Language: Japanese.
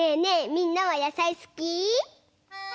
みんなはやさいすき？